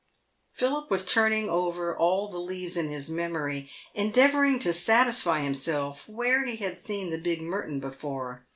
Philip was turning over all the leaves in his memory, endeavouring to satisfy himself where he had seen the big Merton before.